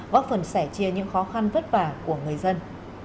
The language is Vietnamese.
góp phần sẻ chia những khó khăn vất vả của người dân